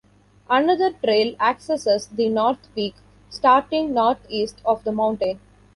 Another trail accesses the North peak, starting Northeast of the mountain.